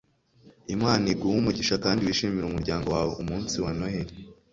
imana iguhe umugisha kandi wishimire umuryango wawe umunsi wa noheri